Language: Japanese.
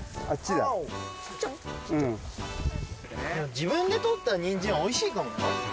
自分で採ったニンジンはおいしいかもよ？